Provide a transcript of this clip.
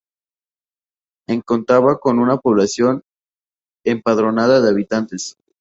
En contaba con una población empadronada de habitantes.